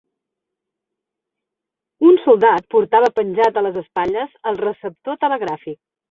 Un soldat portava penjat a les espatlles el receptor telegràfic